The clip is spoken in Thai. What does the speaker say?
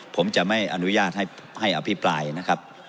ผมจะไม่อนุญาตให้อภิปรายนะครับ